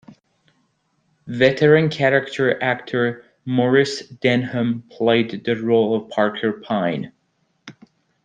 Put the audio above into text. Veteran character actor Maurice Denham played the role of Parker Pyne.